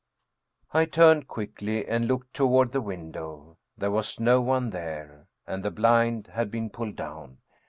I turned quickly and looked toward the window; there was no one there, and the blind had been pulled down.